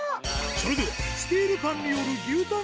それではスティールパンによる牛タン